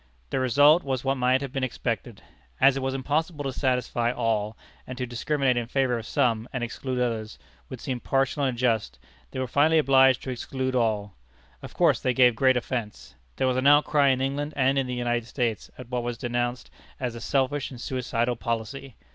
The result was what might have been expected. As it was impossible to satisfy all, and to discriminate in favor of some, and exclude others, would seem partial and unjust, they were finally obliged to exclude all. Of course this gave great offence. There was an outcry in England and in the United States at what was denounced as a selfish and suicidal policy.